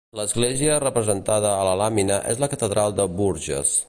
L'església representada a la làmina és la catedral de Bourges.